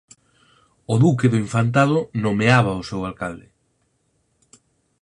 O Duque do Infantado nomeaba ao seu alcalde.